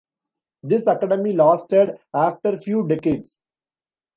This academy lasted after few decades.